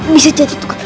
bisa jadi tuh